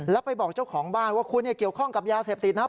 แล้วไปบอกเจ้าของบ้านว่าคุณเกี่ยวข้องกับยาเสพติดนะครับ